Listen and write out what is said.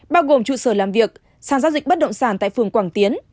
bao gồm trụ sở làm việc sàn giao dịch bất động sản tại phường quảng tiến